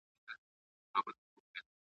چي وعدې یې د کوثر د جام کولې ,